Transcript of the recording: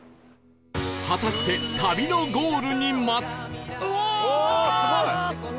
果たして旅のゴールに待つ